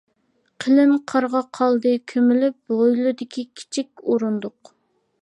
قېلىن قارغا قالدى كۆمۈلۈپ، ھويلىدىكى كىچىك ئورۇندۇق.